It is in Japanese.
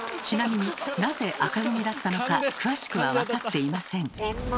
ちなみになぜ赤組だったのか詳しくはわかっていません。